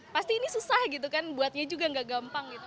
pasti ini susah gitu kan buatnya juga nggak gampang gitu